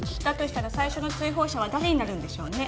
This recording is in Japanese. したら最初の追放者は誰になるんでしょうね？